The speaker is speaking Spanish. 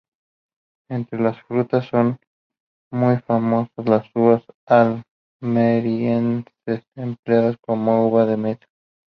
Entre las frutas son muy famosas las uvas almerienses, empleadas como uva de mesa.